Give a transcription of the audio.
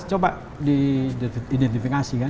coba diidentifikasi kan